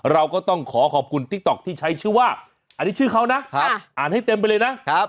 เราก็ต้องขอขอบคุณติ๊กต๊อกที่ใช้ชื่อว่าอันนี้ชื่อเขานะอ่านให้เต็มไปเลยนะ